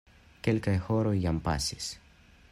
Kelkaj horoj jam pasis.